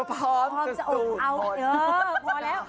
พร้อมจะอดทน